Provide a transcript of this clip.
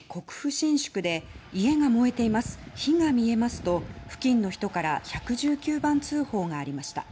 新宿で家が燃えています火が見えますと付近の人から１１９番通報がありました。